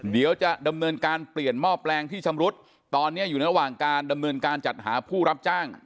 เดี๋ยวจะดำเนินการเปลี่ยนหม้อแปลงที่ชำรุดตอนนี้อยู่ระหว่างการดำเนินการจัดหาผู้รับจ้าง